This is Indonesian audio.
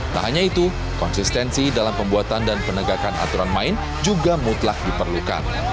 tak hanya itu konsistensi dalam pembuatan dan penegakan aturan main juga mutlak diperlukan